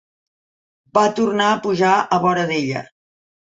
Va tornar a pujar a vora d'ella.